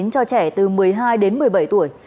cho trẻ từ một mươi hai đến một mươi bảy tuổi